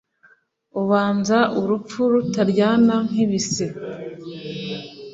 Ubanza urupfu rutaryana nkibise